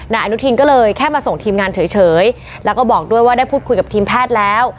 นายอนุทินก็เลยแค่มาส่งทีมงานเฉยแล้วก็บอกด้วยว่าได้พูดคุยกับทีมแพทย์แล้ว